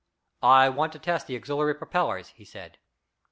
"I want to test the auxiliary propellers," he said.